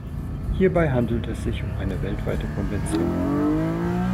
Hierbei handelt es sich um eine weltweite Konvention.